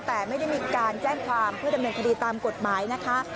แต่ไม่ได้มีการแจ้งความเพื่อดำเนินคดีตามกฎหมายนะคะ